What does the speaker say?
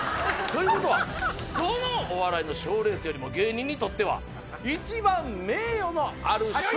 ということはどのお笑いの賞レースよりも芸人にとっては一番名誉のある賞。